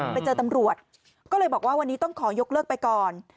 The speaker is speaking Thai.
ไปเจอตำรวจก็เลยบอกว่าวันนี้ต้องขอยกเลิกไปก่อน